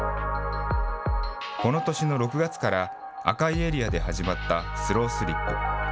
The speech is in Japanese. この年の６月から、赤いエリアで始まったスロースリップ。